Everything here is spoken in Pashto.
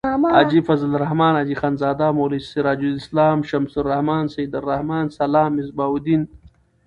حاجی فضل الرحمن. حاجی خانزاده. مولوی سراج السلام. شمس الرحمن. سعیدالرحمن.سلام.مصباح الدین